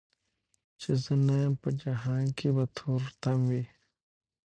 چي زه نه یم په جهان کي به تور تم وي